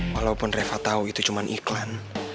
walaupun reva tahu itu cuma iklan